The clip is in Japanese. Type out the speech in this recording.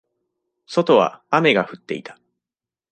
外は雨が降っていた。